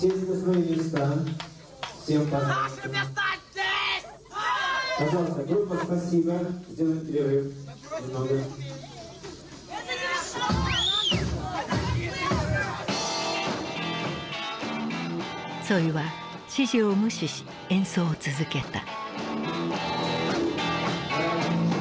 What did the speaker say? ツォイは指示を無視し演奏を続けた。